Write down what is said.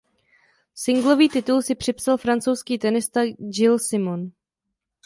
Singlový titul si připsal francouzský tenista Gilles Simon.